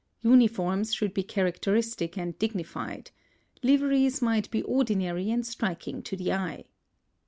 Uniforms should be characteristic and dignified; liveries might be ordinary and striking to the eye.